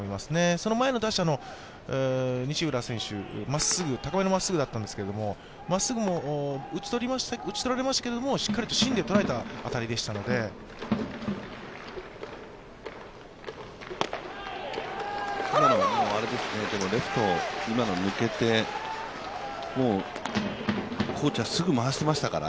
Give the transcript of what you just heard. その前の打者の西浦選手、高めのまっすぐだったんですけど、まっすぐも打ち取られましたが、しっかりと芯で捉えた当たりでしたのでレフト、今の抜けて、コーチはもうすぐに回していましたから。